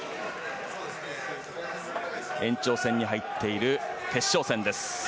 延長戦に入っている決勝戦です。